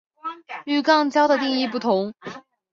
与肛交的定义不同。